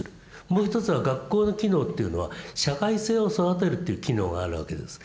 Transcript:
もう一つは学校の機能っていうのは社会性を育てるという機能があるわけです。